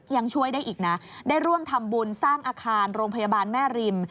ยังช่วยได้อีกนะได้ร่วมทำบุญสร้างอาคารโรงพยาบาลแม่ริม